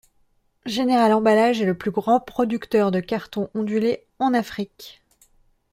Général Emballage est le plus grand producteur de carton ondulé en Afrique.